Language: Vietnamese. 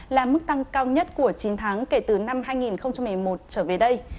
là mức tăng cao nhất của chín tháng kể từ năm hai nghìn một mươi một trở về đây